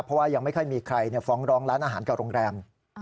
เพราะยังไม่ใครฟ้องร้องร้านอาหารกับโรงแรม